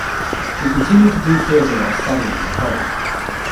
He continued to do theatre while studying in the college.